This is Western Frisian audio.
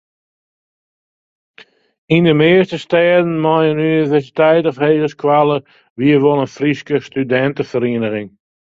Yn de measte stêden mei in universiteit of hegeskoalle wie wol in Fryske studinteferiening.